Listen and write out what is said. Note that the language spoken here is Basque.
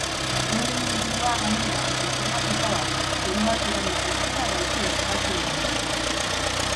Euren ingurua, gainera, deformatuta dago, zuloak eragin zuzena baitu espazio-denboran.